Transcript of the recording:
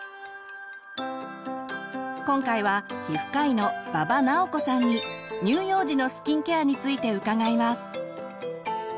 今回は皮膚科医の馬場直子さんに乳幼児のスキンケアについて伺います。